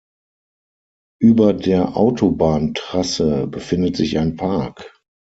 Über der Autobahntrasse befindet sich ein Park.